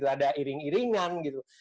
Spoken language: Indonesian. ada iring iringan gitu